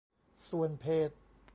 ส่วนเพจ